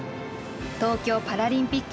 東京パラリンピック